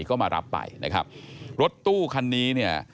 ก็มารับไปนะครับรถตู้คันนี้เนี่ย